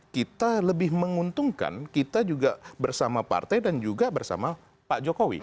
kita lebih menguntungkan kita juga bersama partai dan juga bersama pak jokowi